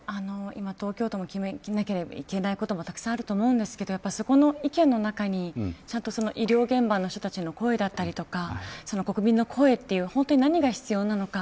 今東京都も決めなければいけないこともたくさんあると思うんですけどそこの中に医療現場の人たちの声だったりとか国民の声という何が必要なのか。